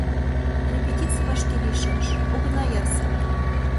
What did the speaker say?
— Репетиций вашке лийшаш, огына ярсе...